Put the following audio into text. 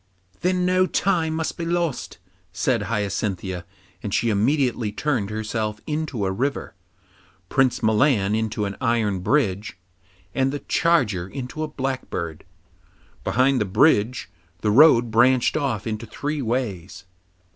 'Then no time must be lost,' said Hyacinthia, and she immediately turned herself into a river, Prince Milan into an iron bridge, and the charger into a blackbird. Behind the bridge the road branched off into three ways.